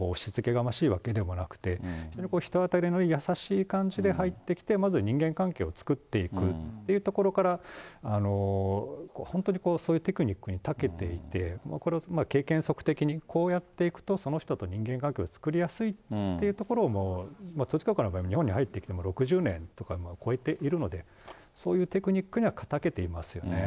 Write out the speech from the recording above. がましいわけでもなくて、人当たりのいい優しい感じで入ってきて、まず人間関係を作っていくっていうところから、本当にこう、そういうテクニックにたけていて、これを経験則的に、こうやっていくと、その人と人間関係を作りやすいっていうところを、統一教会の場合は日本に入ってきて６０年とかを超えているので、こういうテクニックにはたけていますよね。